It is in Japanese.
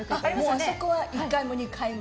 あそこは、１階も２階も。